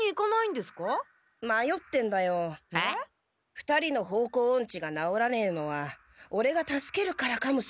２人の方向オンチがなおらねえのはオレが助けるからかもしれねえ。